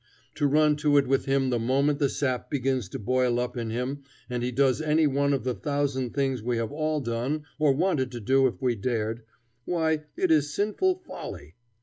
To run to it with him the moment the sap begins to boil up in him and he does any one of the thousand things we have all done or wanted to do if we dared, why, it is sinful folly.